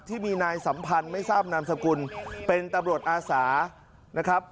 ที่มีนายสัมพันธ์ไม่ทราบนามสกุลเป็นตำรวจอาสานะครับ